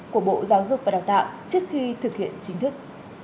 của bộ giáo dục và đào tạo trước khi thực hiện chính thức